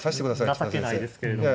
情けないですけれども。